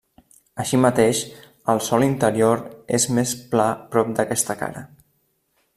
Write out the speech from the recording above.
Així mateix, el sòl interior és més pla prop d'aquesta cara.